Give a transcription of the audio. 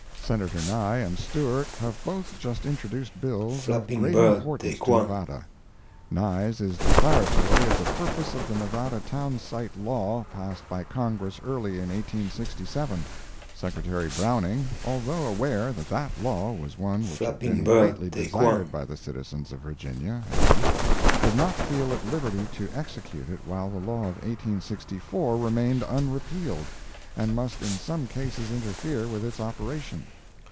Senator Nye and Stewart have both just introduced bills of great importance to Nevada. Nye's is declaratory of the purpose of the Nevada town site law passed by Congress early in 1867. Secretary Browning, although aware that that law was one which had been greatly desired by the citizens of Virginia, at least, did not feel at liberty to execute it while the law of 1864 remained unrepealed and must in some cases interfere with its operation.